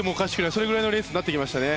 それぐらいのレースになってきましたね。